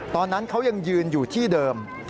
ตอนนั้นเขายังยืนอยู่ที่เดิม